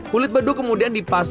kulit beduk kemudian dipanggil